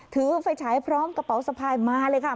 ถือไฟฉายพร้อมกระเป๋าสะพายมาเลยค่ะ